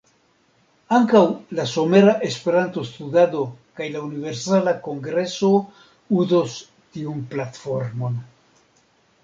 Ankaŭ la Somera Esperanto-Studado kaj la Universala Kongreso uzos tiun platformon.